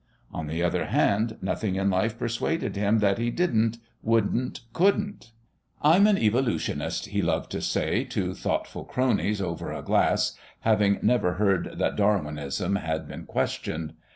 On the other hand, nothing in life persuaded him that he didn't, wouldn't, couldn't. "I'm an Evolutionist," he loved to say to thoughtful cronies (over a glass), having never heard that Darwinism had been questioned....